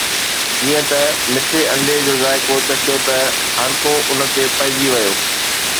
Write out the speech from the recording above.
جيئن ئي مٺي انڊيءَ جو ذائقو چکيو ته هر ڪو ان تي پئجي ويو